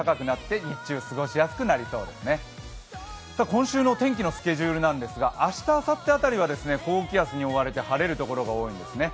今週の天気のスケジュールなんですが、明日、あさって辺りは、高気圧に覆われて、晴れるところが多いんですね。